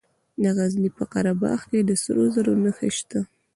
د غزني په قره باغ کې د سرو زرو نښې شته.